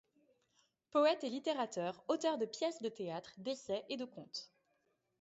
Poète et littérateur, auteur de pièces de théâtres, d'essais et de contes.